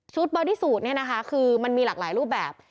บอดี้สูตรเนี่ยนะคะคือมันมีหลากหลายรูปแบบ